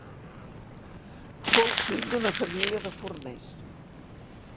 Fou fill d'una família de forners.